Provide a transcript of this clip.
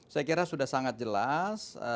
saya kira sudah sangat jelas